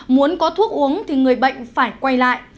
muốn có thuốc uống thì người bệnh phải quay lại